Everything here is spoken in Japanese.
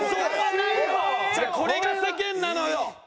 これが世間なのよマジで。